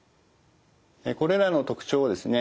これらの特徴をですね